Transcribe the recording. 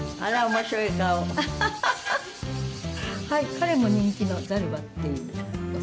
彼も人気のザルバっていうお猿。